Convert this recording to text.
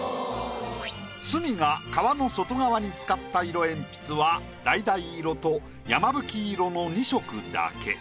鷲見が皮の外側に使った色鉛筆はだいだい色とやまぶき色の２色だけ。